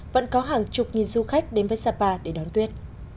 vẫn có hàng chục nghìn du khách đến với sapa để đón tuyết